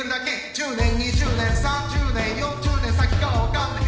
１０年２０年３０年４０年先かわかんねえ